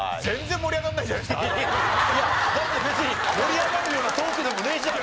いやだって別に盛り上がるようなトークでもねえじゃん。